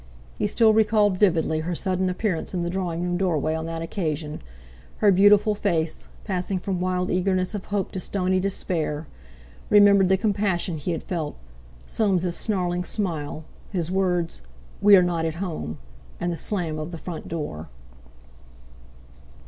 He still recalled vividly her sudden appearance in the drawing room doorway on that occasion—her beautiful face, passing from wild eagerness of hope to stony despair; remembered the compassion he had felt, Soames' snarling smile, his words, "We are not at home!" and the slam of the front door.